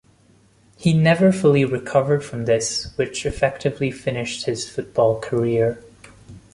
He never fully recovered from this which effectively finished his football career.